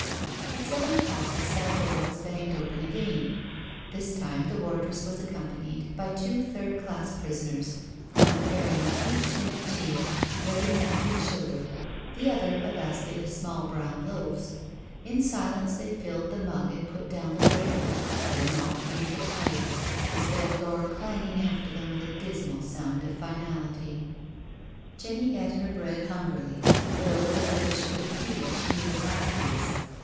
At seven o'clock the cell door was banged open again. This time the wardress was accompanied by, two third class prisoners, one carrying a huge tin of tea, ready milked and sugared, the other a basket of small brown loaves. In silence they filled the mug and put down the bread, then all three retired, the cell door clanging after them with a dismal sound of finality. ^'^^ s 258 NO SURRENDER Jenny eat her bread hungrily, but over the ready sugared tea she made a wry. face.